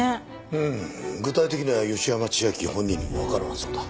うーん具体的には芳山千昭本人にもわからんそうだ。